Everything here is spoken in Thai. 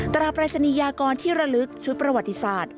ตราปรายศนียากรที่ระลึกชุดประวัติศาสตร์